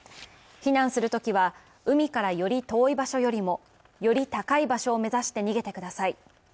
避難するときは、海からより遠い場所よりもより高い場所を目指して逃げてください。